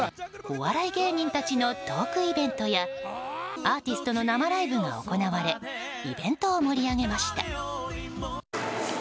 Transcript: お笑い芸人たちのトークイベントやアーティストの生ライブが行われイベントを盛り上げました。